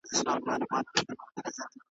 راځه ولاړ سه له نړۍ د انسانانو .